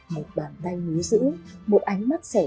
một bàn tay nhú dữ một ánh mắt sẻ